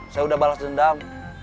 saya sudah balas dendam